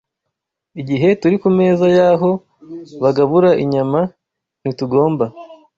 Igihe turi ku meza y’aho bagabura inyama, ntitugomba